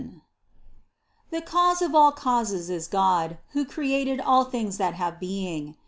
80. The Cause of all causes is God, who created all things that have being.